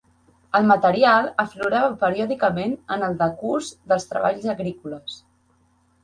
El material aflorava periòdicament en el decurs dels treballs agrícoles.